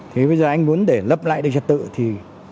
thế bây giờ anh muốn để lấp lại được chất tự thì